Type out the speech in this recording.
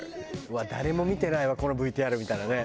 「うわっ誰も見てないわこのＶＴＲ」みたいなね。